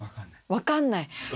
分かんない。